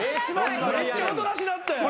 めっちゃおとなしなったやん。